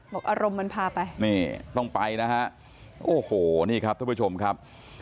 บอกอารมณ์มันพาไปนี่ต้องไปนะฮะโอ้โหนี่ครับทุกผู้ชมครับ